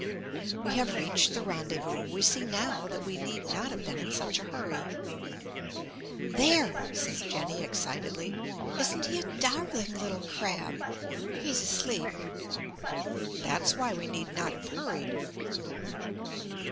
We have reached the rendezvous. We see now that we need not have been in such a hurry. "There!" says Jenny excitedly. "Isn't he a darling little crab? He's asleep." (That's why we need not have hurried.)